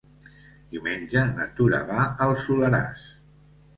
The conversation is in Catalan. Diumenge na Tura va al Soleràs.